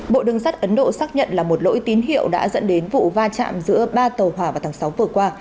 bộ đường sắt ấn độ xác nhận là một lỗi tín hiệu đã dẫn đến vụ va chạm giữa ba tàu hỏa và thằng sóng vừa qua